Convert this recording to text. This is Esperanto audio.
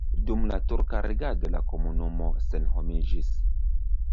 Dum la turka regado la komunumo senhomiĝis.